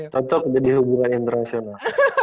tetap jadi hubungan internasional